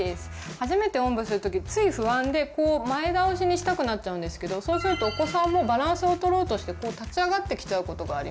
初めておんぶする時つい不安でこう前倒しにしたくなっちゃうんですけどそうするとお子さんもバランスを取ろうとして立ち上がってきちゃうことがあります。